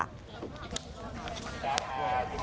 จัดการ